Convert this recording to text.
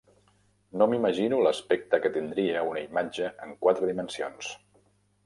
No m'imagino l'aspecte que tindria una imatge en quatre dimensions.